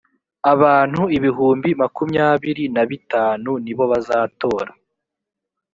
abantu ibihumbi makumyabiri na bitanu nibo bazatora